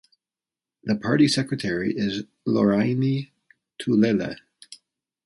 The party secretary is Loraini Tulele.